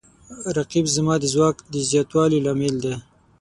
رقیب زما د ځواک د زیاتوالي لامل دی